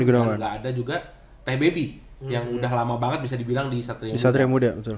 dan gak ada juga t baby yang udah lama banget bisa dibilang di satria muda